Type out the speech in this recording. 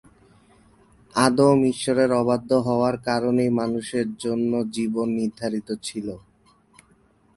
আদম ঈশ্বরের অবাধ্য হওয়ার কারণেই মানুষের জন্য জীবন নির্ধারিত ছিল।